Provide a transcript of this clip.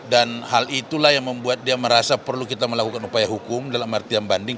dan hal itulah yang membuat dia merasa perlu kita melakukan upaya hukum dalam artian banding